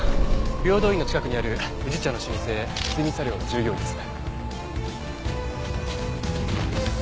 平等院の近くにある宇治茶の老舗久住茶寮の従業員です。